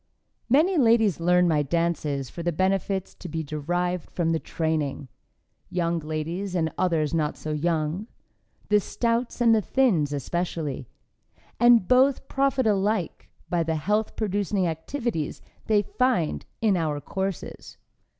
Many ladies learn my dances for the benefits to be derived from the training; young ladies and others not so young; the stouts and the thins, especially, and both profit alike by the health producing activities they find in our courses.